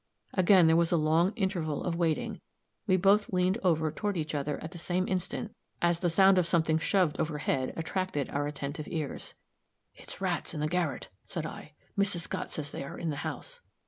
Again there was a long interval of waiting; we both leaned over toward each other at the same instant, as the sound of something shoved overhead attracted our attentive ears. "It is rats in the garret," said I. "Mrs. Scott says they are in the house."